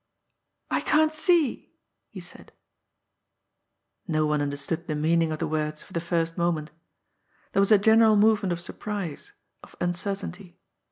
" I can't see !" he said. No one understood the meaning of the words for the first moment. There was a general movement of surprise, of uncertainty.